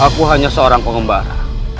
aku hanya seorang pengembara